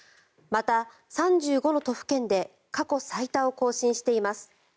また、３５の都府県で過去最多を更新しています。